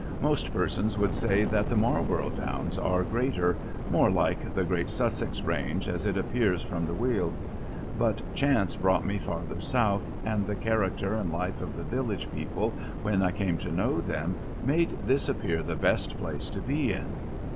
Most persons would say that the Marlborough Downs are greater, more like the great Sussex range as it appears from the Weald: but chance brought me farther south, and the character and life of the village people when I came to know them made this appear the best place to be in.